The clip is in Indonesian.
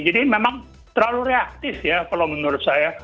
jadi memang terlalu reaktif ya kalau menurut saya